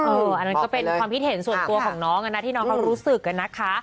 อันนั้นก็เป็นความคิดเห็นส่วนตัวของน้องนะที่น้องเขารู้สึกอะนะคะ